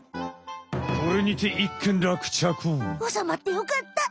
これにておさまってよかった。